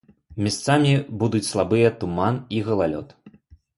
Месцамі будуць слабыя туман і галалёд.